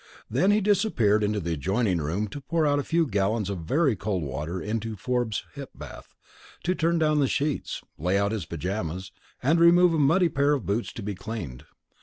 Then he disappeared into the adjoining bedroom to pour out a few gallons of very cold water into Forbes's hip bath, to turn down the sheets, lay out his pajamas, and remove a muddy pair of boots to be cleaned.